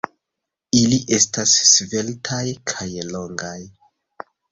Ili estas sveltaj kaj longaj.